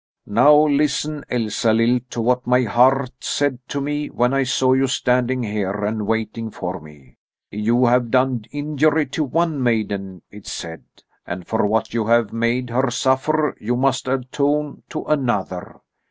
"Now, listen, Elsalill, to what my heart said to me when I saw you standing here and waiting for me. 'You have done injury to one maiden,' it said, 'and for what you have made her suffer, you must atone to another.